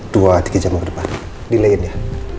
dua tiga jam ke depan delayin ya